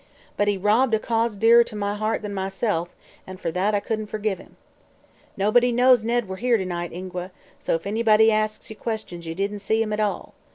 But he robbed a cause dearer to my heart than myself, an' for that I couldn't fergive him. Nobody knows Ned were here to night, Ingua, so if anybody asks ye questions ye didn't see him at all.